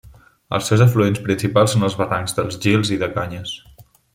Els seus afluents principals són els barrancs dels Gils i de Canyes.